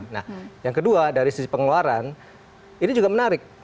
nah yang kedua dari sisi pengeluaran ini juga menarik